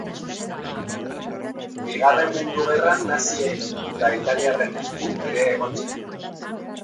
Bigarren Mundu Gerran nazien eta italiarren esku ere egon zen.